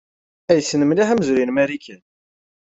Yessen mliḥ amezruy n Marikan.